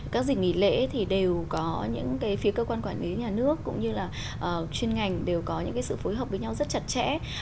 các dịp nghỉ lễ thì đều có những cái phía cơ quan quản lý nhà nước cũng như là chuyên ngành đều có những cái sự phối hợp với nhau rất chặt chẽ